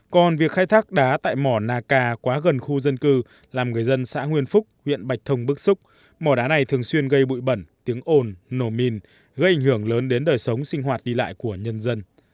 còn việc khai thác đá tại mỏ naka quá gần khu dân cư làm người dân xã nguyên phúc huyện bạch thông bức xúc mỏ đá này thường xuyên gây bụi bẩn tiếng ồn nổ mìn gây ảnh hưởng lớn đến đời sống sinh hoạt đi lại của nhân dân